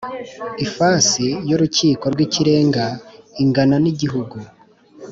Ifasi y Urukiko rw Ikirenga ingana n igihugu